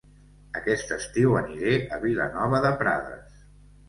Aquest estiu aniré a Vilanova de Prades